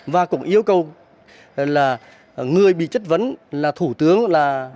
và cũng yêu cầu là người bị chất vấn là thủ tướng là